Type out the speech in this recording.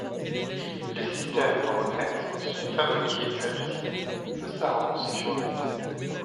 Les systèmes Voronezh sont fabriqués à l’usine de Saransk.